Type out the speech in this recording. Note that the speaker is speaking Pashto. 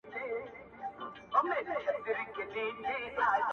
له مودو وروسته پر ښو خوړو مېلمه وو!!